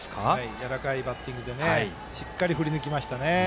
やわらかいバッティングでしっかり振り抜きましたね。